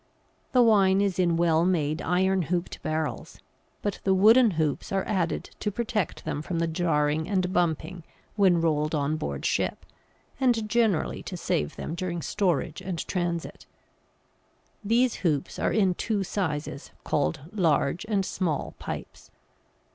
The wine is in well made iron hooped barrels, but the wooden hoops are added to protect them from the jarring and bumping when rolled on board ship, and generally to save them during storage and transit. These hoops are in two sizes, called large and small pipes.